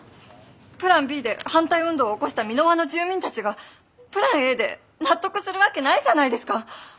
プランＢで反対運動を起こした美ノ和の住民たちがプランＡで納得するわけないじゃないですか！